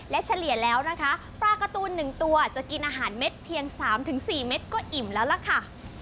และเฉลี่ยแล้วนะคะปลาการ์ตูน๑ตัวจะกินอาหารเม็ดเพียง๓๔เม็ดก็อิ่มแล้วล่ะค่ะ